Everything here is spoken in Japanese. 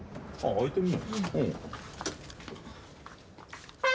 開いてる。